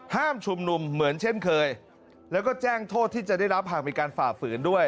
ชุมนุมเหมือนเช่นเคยแล้วก็แจ้งโทษที่จะได้รับหากมีการฝ่าฝืนด้วย